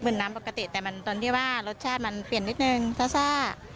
เหมือนมาอย่างปกติแต่มันตนที่ว่ารสชาติมันเปลี่ยนนิดนึงทราสา